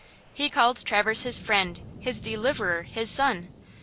He called Traverse his friend, his deliverer, his son.